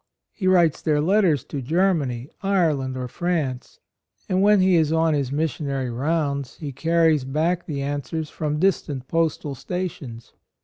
He writes their letters to Germany, Ireland or France; and when he is on his missionary rounds he carries back the answers from distant postal stations.